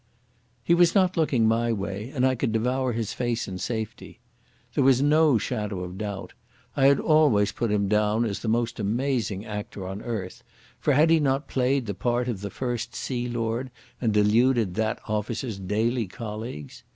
He was not looking my way, and I could devour his face in safety. There was no shadow of doubt. I had always put him down as the most amazing actor on earth, for had he not played the part of the First Sea Lord and deluded that officer's daily colleagues?